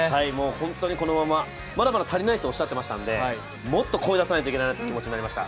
本当にこのまま、まだまだ足りないとおっしゃっていたんでもっと声、出さないといけないなという気持ちになりました。